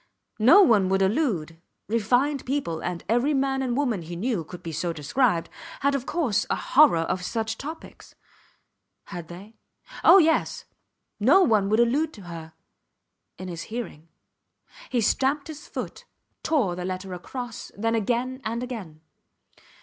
No one would allude ... Refined people and every man and woman he knew could be so described had, of course, a horror of such topics. Had they? Oh, yes. No one would allude to her ... in his hearing. He stamped his foot, tore the letter across, then again and again.